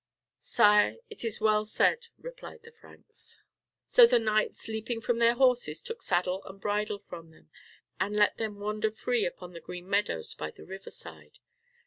"Sire, it is well said," replied the Franks. So the knights, leaping from their horses, took saddle and bridle from them, and let them wander free upon the green meadows by the river side.